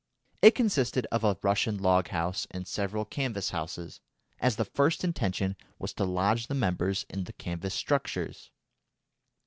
It consisted of a Russian log house and several canvas houses, as the first intention was to lodge the members in the canvas structures.